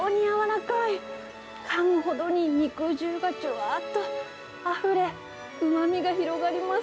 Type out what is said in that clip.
かむほどに肉汁がじゅわーっとあふれ、うまみが広がります。